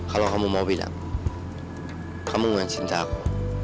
kalau kamu mau bilang kamu bukan cinta aku